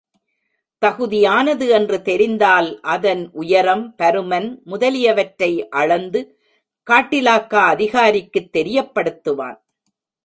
தகுதியானது என்று தெரிந்தால், அதன் உயரம், பருமன் முதலியவற்றை அளந்து காட்டிலாகா அதிகாரிக்குத் தெரியப்படுத்துவான்.